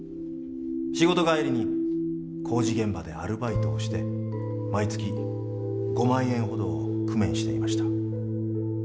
仕事帰りに工事現場でアルバイトをして毎月５万円ほどを工面していました。